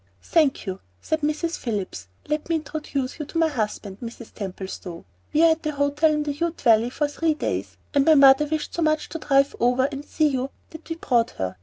"Thank you," said Mrs. Phillips. "Let me introduce my husband, Mrs. Templestowe. We are at the hotel in the Ute Valley for three days, and my mother wished so much to drive over and see you that we have brought her.